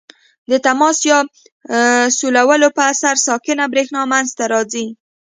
د تماس یا سولولو په اثر ساکنه برېښنا منځ ته راځي.